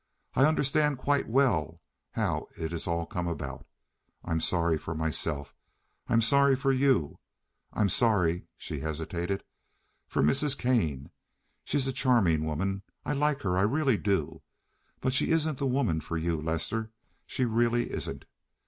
I understand quite well how it has all come about. I'm sorry for myself. I'm sorry for you. I'm sorry—" she hesitated—"for Mrs. Kane. She's a charming woman. I like her. I really do. But she isn't the woman for you, Lester; she really isn't.